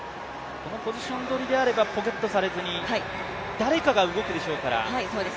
このポジション取りであればポケットされずに誰かが動くでしょうから。